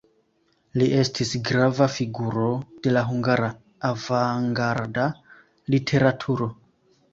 Li estis grava figuro de la hungara avangarda literaturo.